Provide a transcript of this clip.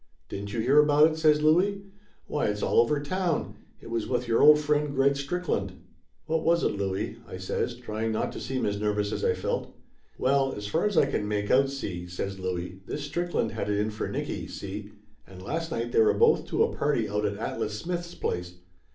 "Didn't you hear about it ?" says Louie. "Why, it's all over town. It was with your old friend Greg Strick land." "What was it, Louie?" I says, trying not to seem as nervous as I felt. "Well, as far as I can make out, see," says Louie, "this Strickland had it in for Nicky, see, and last night they were both to a party out at Atlas Smith's place.